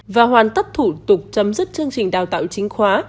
và hoàn tất thủ tục chấm dứt chương trình đào tạo chính khóa